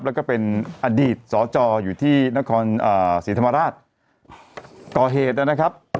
แล้วก็เป็นอดีตสจอยู่ที่นครศรีธรรมราชก่อเหตุนะครับ